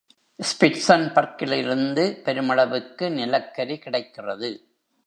ஸ்பிட்சன்பர்க்கிலிருந்து பெருமளவுக்கு நிலக்கரி கிடைக்கிறது.